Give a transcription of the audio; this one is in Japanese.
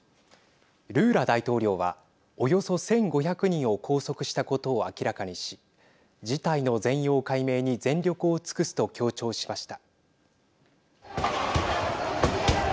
ルーラ大統領はおよそ１５００人を拘束したことを明らかにし事態の全容解明に全力を尽くすと強調しました。